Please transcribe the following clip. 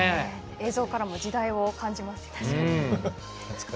映像からも時代を感じます。